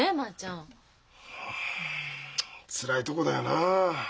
うんつらいとこだよなあ。